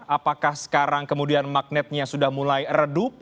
apakah sekarang kemudian magnetnya sudah mulai redup